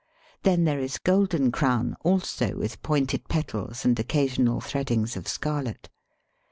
Then there is Golden Crown, also with pointed petals and occasional threadings of scarlet.